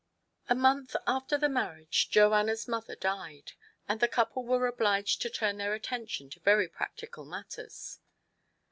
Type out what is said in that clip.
ii. A MONTH after the marriage Joanna's mother died, and the couple were obliged to turn theii attention to very practical matters.